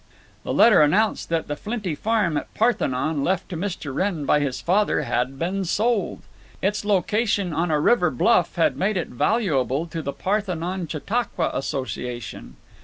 The letter announced that the flinty farm at Parthenon, left to Mr. Wrenn by his father, had been sold. Its location on a river bluff had made it valuable to the Parthenon Chautauqua Association.